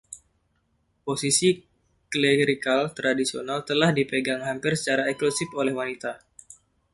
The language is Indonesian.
Posisi klerikal tradisional telah dipegang hampir secara eksklusif oleh wanita.